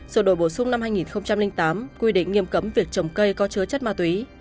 sự đổi bổ sung năm hai nghìn tám quy định nghiêm cấm việc trồng cây có chứa chất ma túy